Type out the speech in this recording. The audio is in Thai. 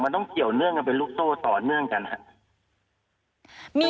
มันต้องเกี่ยวเนื่องกันเป็นลูกโซ่ต่อเนื่องกันครับ